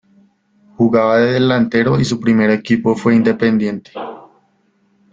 Jugaba de delantero y su primer equipo fue Independiente.